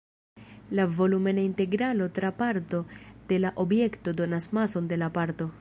La volumena integralo tra parto de la objekto donas mason de la parto.